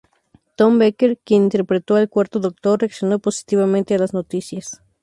Tom Baker, quien interpretó al Cuarto Doctor, reaccionó positivamente a las noticias.